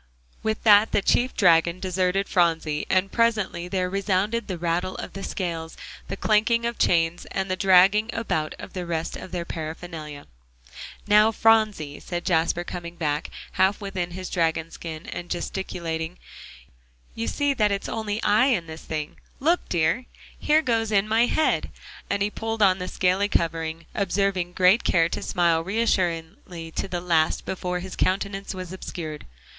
With that the chief dragon deserted Phronsie, and presently there resounded the rattle of the scales, the clanking of chains, and the dragging about of the rest of their paraphernalia. "Now, Phronsie," said Jasper, coming back, half within his dragon skin and gesticulating, "you see that it's only I in this thing. Look, dear! here goes in my head," and he pulled on the scaly covering, observing great care to smile reassuringly the last thing before his countenance was obscured.